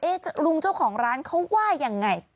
ลุงเจ้าของร้านเขาว่ายังไง